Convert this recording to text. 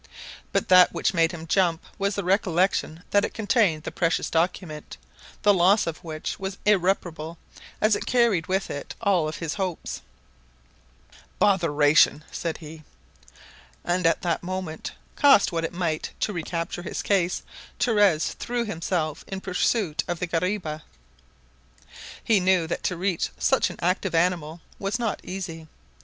But that which made him jump was the recollection that it contained the precious document, the loss of which was irreparable, as it carried with it that of all his hopes. "Botheration!" said he. And at the moment, cost what it might to recapture his case, Torres threw himself in pursuit of the guariba. He knew that to reach such an active animal was not easy.